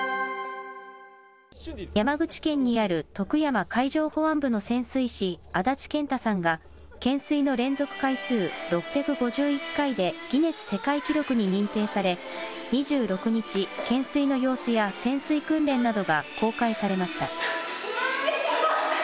山口県にある徳山海上保安部の潜水士、安達健太さんが、懸垂の連続回数６５１回で、ギネス世界記録に認定され、２６日、懸垂の様子や潜水訓練などが公開されました。